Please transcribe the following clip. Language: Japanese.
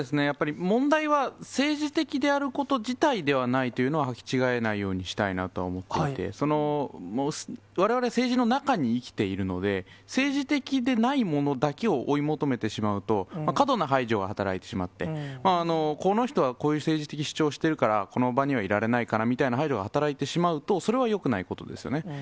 やっぱり問題は、政治的であること自体ではないというのは、はき違えないようにしたいなとは思っていて、われわれ政治の中に生きているので、政治的でないものだけを追い求めてしまうと、過度な排除が働いてしまって、この人はこういう政治的主張してるから、この場にはいられないかなというような排除が働いてしまうと、それはよくないことですね。